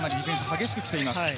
激しくきています。